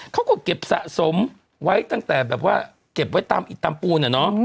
เขาก็เก็บสะสมไว้ตั้งแต่แบบว่าเก็บไว้ตามอิดตำปูนอะเนาะ